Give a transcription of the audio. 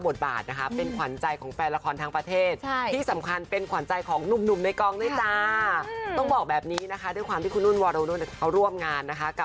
ได้ตำแหน่งพี่สาวแห่งชาติเดี๋ยวเลยค่ะ